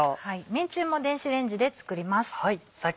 麺つゆも電子レンジで作ります。